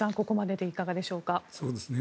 ここまででいかがでしょうか。